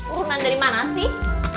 urunan dari mana sih